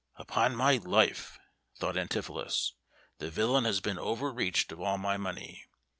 "Upon my life," thought Antipholus, "the villain has been over reached of all my money.